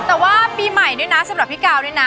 แต่ว่าปีใหม่ด้วยนะสำหรับพี่กาวด้วยนะ